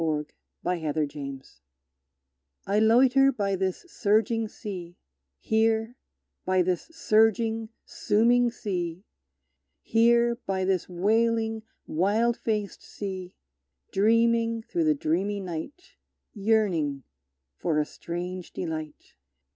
Waiting and Wishing I loiter by this surging sea, Here, by this surging, sooming sea, Here, by this wailing, wild faced sea, Dreaming through the dreamy night; Yearning for a strange delight!